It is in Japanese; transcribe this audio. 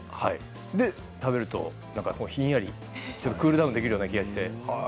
で、食べるとひんやりとクールダウンできるような気がして。